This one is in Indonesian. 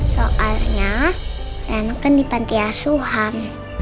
soalnya rena kan di pantai asuhan